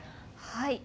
はい。